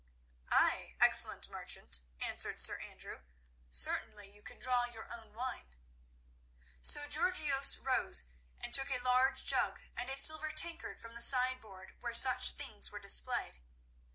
"Ay, excellent merchant," answered Sir Andrew. "Certainly you can draw your own wine." So Georgios rose, and took a large jug and a silver tankard from the sideboard where such things were displayed.